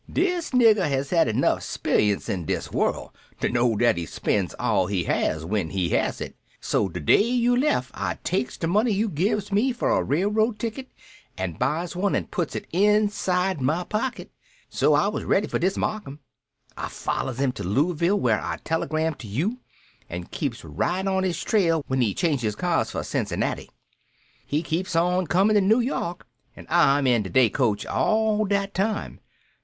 Dis nigger has had enough 'sperience in dis world to know dat he spends all he has w'en he has it. So de day you left I takes de money you gives me for a railroad ticket, an' buys one an' puts it inside my pocket. So, I was ready for dis Marcum. I follows 'im to Lueyville, whar I telegram to you, and keeps right on 'is trail w'en he changes cars for Cincinnati. He keeps on comin' to Noo York, an' I am in de day coach all dat time.